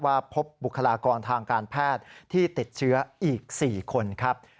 พบบุคลากรทางการแพทย์ที่ติดเชื้ออีก๔คนครับ